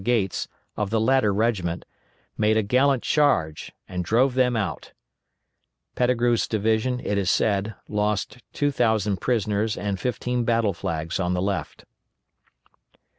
Gates, of the latter regiment, made a gallant charge, and drove them out. Pettigrew's division, it is said, lost 2,000 prisoners and 15 battle flags on the left.